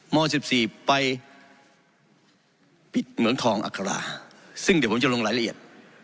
๑๔ไปปิดเหมืองทองอัคราซึ่งเดี๋ยวผมจะลงรายละเอียด